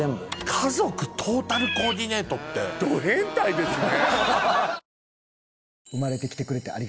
家族トータルコーディネートってド変態ですね。